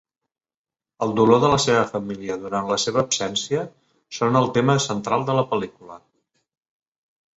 El dolor de la seva família durant la seva absència són el tema central de la pel·lícula.